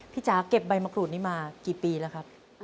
จ๋าเก็บใบมะกรูดนี้มากี่ปีแล้วครับ